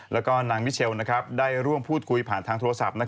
แล้วก็นางมิเชลได้ร่วมพูดคุยผ่านทางโทรศัพท์